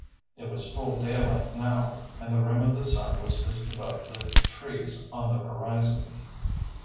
It was full daylight now, and the rim of the sun was just above the trees on the horizon.